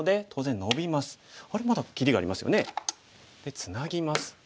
ツナぎます。